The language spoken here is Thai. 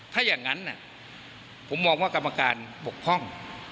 ถ้าอย่างนั้นผมมองว่ากรรมการบกพร่อง